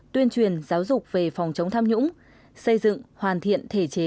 tuyên truyền giáo dục về phòng chống tham nhũng xây dựng hoàn thiện thể chế